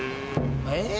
えっ？